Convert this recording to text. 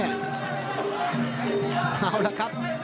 เอาละครับ